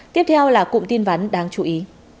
tiếp theo là cụm tin vắn đáng chú ý